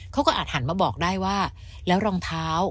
อาจหันมาบอกได้ว่าแล้วรองเท้า